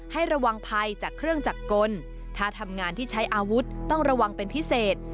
ให้ระวังภัยจากเครื่องจักรกลถ้าทำงานที่ใช้อาวุธต้องระวังเป็นพิเศษ